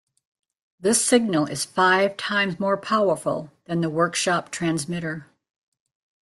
This signal is five times more powerful than the Worksop transmitter.